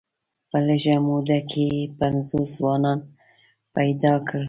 په لږه موده کې یې پنځوس ځوانان پیدا کړل.